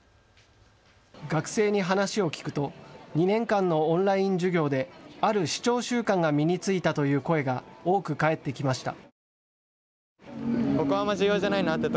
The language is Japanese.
学生に話を聞くと２年間のオンライン授業である視聴習慣が身に付いたという声が多く返ってきました。